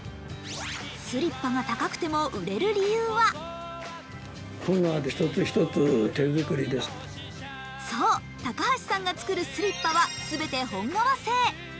スリッパが高くても売れる理由はそう、高橋さんが作るスリッパは全て本革製。